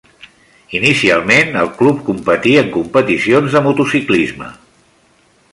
Inicialment el club competí en competicions de motociclisme.